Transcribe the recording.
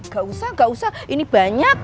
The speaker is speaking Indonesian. gak usah gak usah ini banyak